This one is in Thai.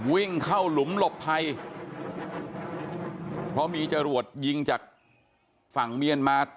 วิ่งเข้าหลุมหลบภัยเพราะมีจรวดยิงจากฝั่งเมียนมา